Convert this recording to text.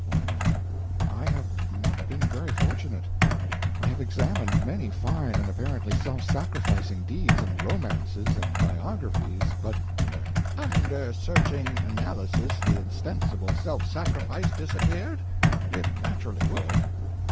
Y.M. I have not been very fortunate. I have examined many fine and apparently self sacrificing deeds in romances and biographies, but— O.M. Under searching analysis the ostensible self sacrifice disappeared? It naturally would.